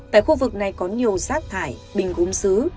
tại khu vực này có nhiều rác thải bình gốm xứ